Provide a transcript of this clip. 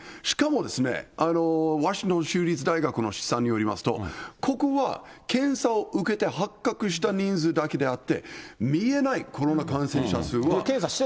しかもですね、ワシントン州立大学の試算によりますと、ここは検査を受けて、発覚した人数だけであって、見えないコロナ感染者数は。